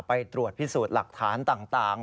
ไปตรวจพิสูจน์หลักฐานต่าง